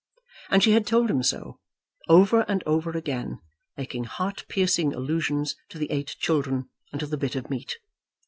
And she had told him so, over and over again, making heart piercing allusions to the eight children and to the bit of meat.